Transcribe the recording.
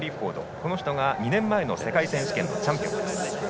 この人が２年前の世界選手権のチャンピオンです。